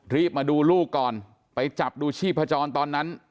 รีบมาดูลูกก่อนไปจับดูชีพจรตอนนั้น